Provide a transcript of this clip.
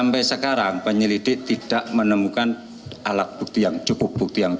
sampai sekarang penyelidik tidak menemukan alat bukti yang cukup